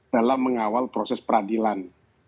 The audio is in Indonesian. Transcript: dalam mengawal proses peradilan